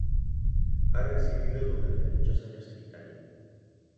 Ha residido durante muchos años en Italia.